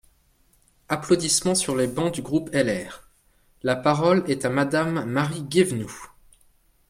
(Applaudissements sur les bancs du groupe LR.) La parole est à Madame Marie Guévenoux.